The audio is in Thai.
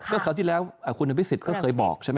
เว้อคราวที่แล้วคุณธนตรีศิษย์ก็เคยบอก